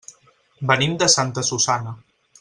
Venim de Santa Susanna.